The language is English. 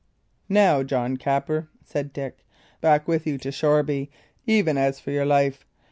"Now, John Capper," said Dick, "back with you to Shoreby, even as for your life.